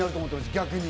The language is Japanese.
逆に。